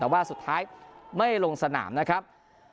แต่ว่าสุดท้ายไม่ลงสนามนะครับ